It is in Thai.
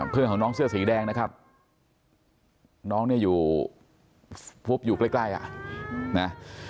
เพื่อนของน้องเสื้อสีแดงนะครับน้องเนี่ยอยู่พุบอยู่ใกล้อ่ะนะ